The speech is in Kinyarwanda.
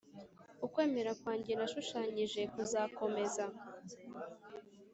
ukwemera kwanjye nashushanyije kuzakomeza